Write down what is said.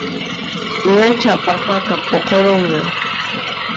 Ñachá papaqa puqurunña